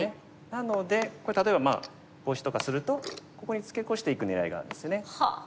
なのでこれ例えばボウシとかするとここにツケコしていく狙いがあるんですよね。